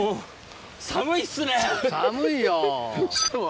寒いよ。